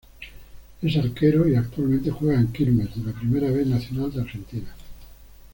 Es arquero y actualmente juega en Quilmes de la Primera B Nacional de Argentina.